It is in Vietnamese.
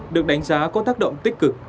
được đánh giá có tác động tích cực